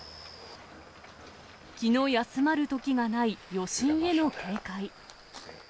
気の休まるときがない、余震への警戒。